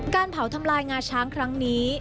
การเผาทำลายงาช้างครั้งนี้